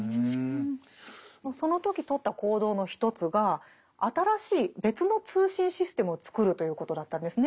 その時とった行動の一つが新しい別の通信システムを作るということだったんですね。